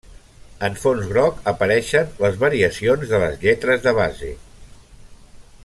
En fons groc apareixen les variacions de les lletres de base.